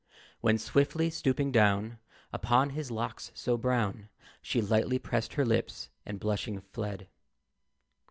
When swiftly stooping down Upon his locks so brown She lightly pressed her lips, and blushing fled.